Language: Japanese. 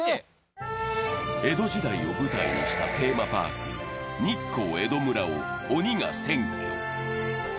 江戸時代を舞台にしたテーマパーク・日光江戸村を鬼が占拠。